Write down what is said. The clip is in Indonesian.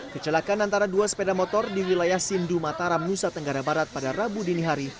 kecelakaan antara dua sepeda motor di wilayah sindu mataram nusa tenggara barat pada rabu dini hari